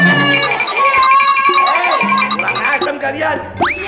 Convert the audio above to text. kurang asem kalian